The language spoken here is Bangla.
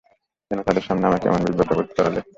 কেন তাদের সামনে আমাকে এমন বিব্রতবোধ করালে?